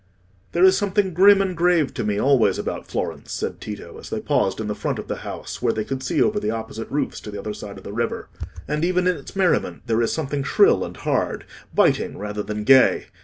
"There is something grim and grave to me always about Florence," said Tito, as they paused in the front of the house, where they could see over the opposite roofs to the other side of the river, "and even in its merriment there is something shrill and hard—biting rather than gay.